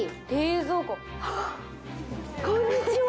こんにちは。